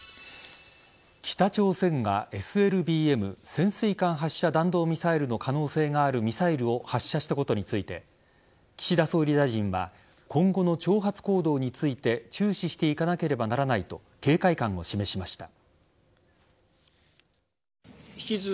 北朝鮮がＳＬＢＭ＝潜水艦発射弾道ミサイルの可能性があるミサイルを発射したことについて岸田総理大臣は今後の挑発行動について注視していかなければならないと警戒感を示しました。